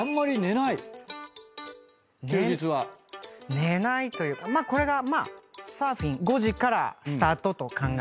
寝ないというかこれがまあサーフィン５時からスタートと考えて。